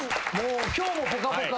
今日も『ぽかぽか』